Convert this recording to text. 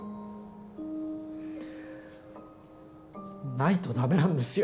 ないと駄目なんですよ。